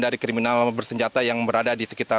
dari kriminal bersenjata yang berada